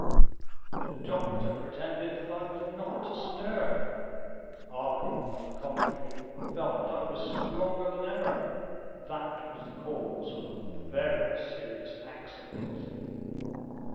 The doctor pretended that I was not to stir; I, on the contrary, felt that I was stronger than ever; that was the cause of a very serious accident."